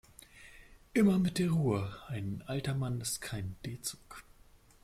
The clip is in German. Immer mit der Ruhe, ein alter Mann ist kein D-Zug.